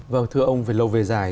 vâng thưa ông về lâu về dài